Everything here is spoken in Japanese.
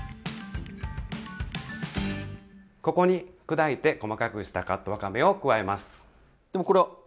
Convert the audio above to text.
ここに砕いて細かくしたカットわかめを加えます。